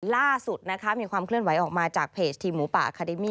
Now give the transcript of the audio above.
ล่าสุดนะคะมีความเคลื่อนไหวออกมาจากเพจทีมหมูป่าอาคาเดมี่